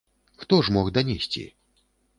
Хто ж мог данесці?